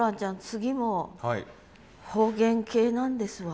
次も方言系なんですわ。